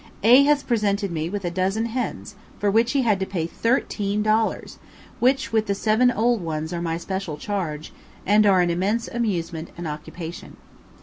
A has presented me with a dozen hens, for which he had to pay thirteen dollars, which with the seven old ones are my special charge, and are an immense amusement and occupation.